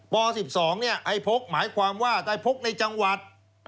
ป๑๒ไอ้พกหมายความว่าได้พกในจังหวัด